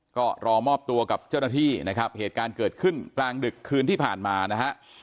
ก็รอมอบตัวกับเจ้าหน้าที่นะครับเหตุการณ์เกิดขึ้นกลางดึกคืนที่ผ่านมานะฮะ